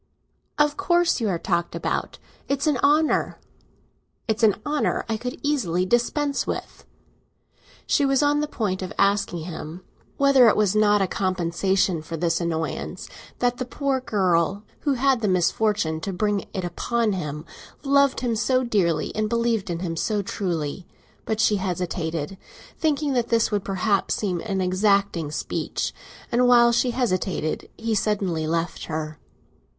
"Of course you are talked about. It's an honour!" "It's an honour I could easily dispense with." She was on the point of asking him whether it were not a compensation for this annoyance that the poor girl who had the misfortune to bring it upon him, loved him so dearly and believed in him so truly; but she hesitated, thinking that this would perhaps seem an exacting speech, and while she hesitated, he suddenly left her.